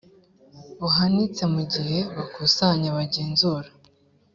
buhanitse mu gihe bakusanya bagenzura